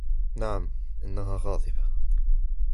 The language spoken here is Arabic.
نعم, إنها غاضبة.